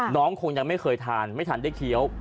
คงยังไม่เคยทานไม่ทันได้เคี้ยว